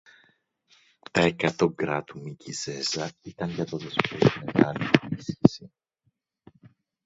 Τα εκατό γκρα του Μίκη Ζέζα ήταν για το Δεσπότη μεγάλη ενίσχυση